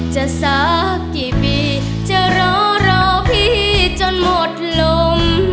สักกี่ปีจะรอรอพี่จนหมดลม